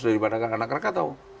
daripada anak krakatau